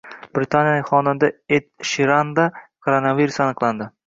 Britaniyalik xonanda Ed Shiranda koronavirus aniqlandi